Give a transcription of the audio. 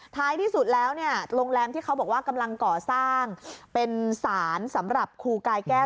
ท้ายที่สุดแล้วเนี่ยโรงแรมที่เขาบอกว่ากำลังก่อสร้างเป็นสารสำหรับครูกายแก้ว